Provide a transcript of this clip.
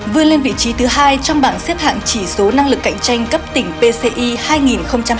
vươn lên vị trí thứ hai trong bảng xếp hạng chỉ số năng lực cạnh tranh cấp tỉnh pci hai nghìn hai mươi ba